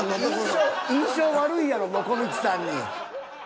印象印象悪いやろもこみちさんに。